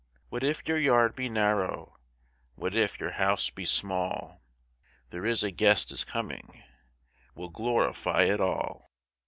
What if your yard be narrow? What if your house be small? There is a Guest is coming Will glorify it all.